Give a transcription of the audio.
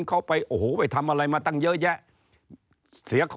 เข้าไปทำอะไรมาตั้งเยอะแยะ